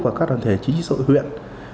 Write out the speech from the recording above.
và các đoàn thể chính trị sội huyện